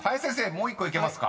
もう１個いけますか］